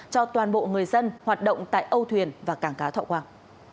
cho toàn bộ người dân hoạt động tại âu thuyền và cảng cá thọ quang